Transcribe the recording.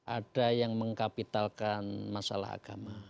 ada yang mengkapitalisasi masalah agama